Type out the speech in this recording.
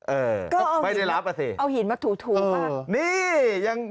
เออไม่ได้รับอะสิเอาหินมาถูบ้าง